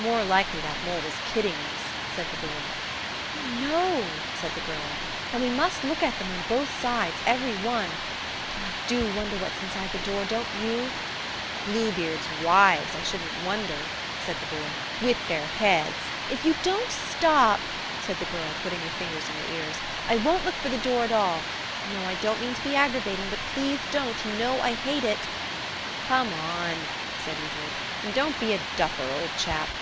"More likely that mole was kidding us," said the boy. "Oh, no," said the girl; "and we must look at them on both sides–every one. Oh, I do wonder what's inside the door, don't you?" "Bluebeard's wives, I shouldn't wonder," said the boy, "with their heads–" "If you don't stop," said the girl, putting her fingers in her ears, "I won't look for the door at all. No, I don't mean to be aggravating; but please don't. You know I hate it." "Come on," said Edred, "and don't be a duffer, old chap."